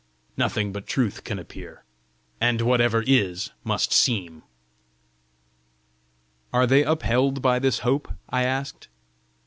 Nothing but truth can appear; and whatever is must seem." "Are they upheld by this hope?" I asked.